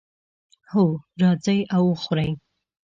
هو، راځئ او وخورئ